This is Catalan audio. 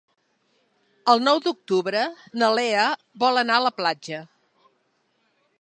El nou d'octubre na Lea vol anar a la platja.